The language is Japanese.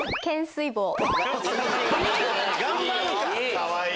かわいい！